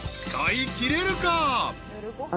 使いきれるか？］